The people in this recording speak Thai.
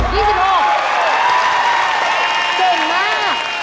เก่งมาก